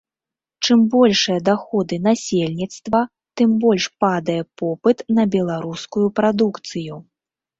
Чым большыя даходы насельніцтва, тым больш падае попыт на беларускую прадукцыю.